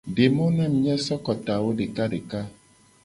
De mo na mu mia so kotawo deka deka.